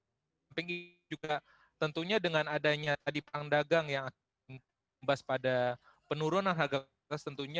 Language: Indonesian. sampai ini juga tentunya dengan adanya tadi perang dagang yang membahas pada penurunan harga batas tentunya